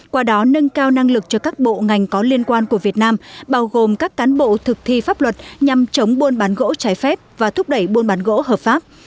qua đó nâng cao năng lực cho các bộ ngành có liên quan của việt nam bao gồm các cán bộ thực thi pháp luật nhằm chống buôn bán gỗ trái phép và thúc đẩy buôn bán gỗ hợp pháp